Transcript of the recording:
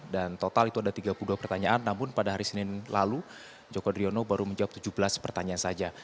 dan total itu ada tiga puluh dua pertanyaan namun pada hari senin lalu joko driono baru menjawab tujuh belas pertanyaan saja